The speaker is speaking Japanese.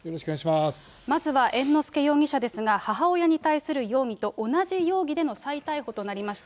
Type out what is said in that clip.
まずは猿之助容疑者ですが、母親に対する容疑と同じ容疑での再逮捕となりました。